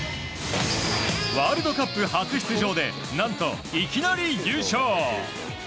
ワールドカップ初出場で何といきなり優勝。